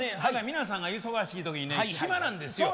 皆さんが忙しい時にね暇なんですよ。